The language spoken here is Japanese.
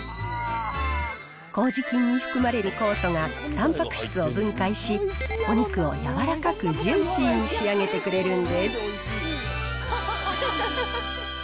こうじ菌に含まれる酵素が、たんぱく質を分解し、お肉を柔らかくジューシーに仕上げてくれるんです。